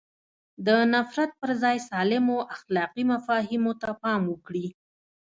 د نفرت پر ځای سالمو اخلاقي مفاهیمو ته پام وکړي.